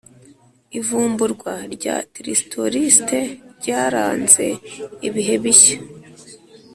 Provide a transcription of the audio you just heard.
[ivumburwa rya tristoriste ryaranze ibihe bishya.